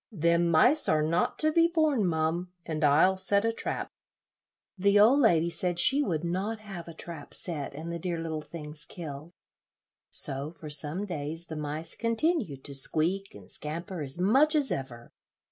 "Them mice are not to be borne, mum, and I'll set a trap." The old lady said she would not have a trap set, and the dear little things killed, so for some days the mice continued to squeak and scamper as much as ever.